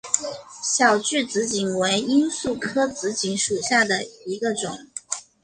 小距紫堇为罂粟科紫堇属下的一个种。